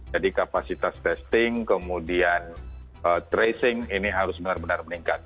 jadi kapasitas testing kemudian tracing ini harus benar benar meningkat